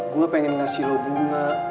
gue pengen ngasih lo bunga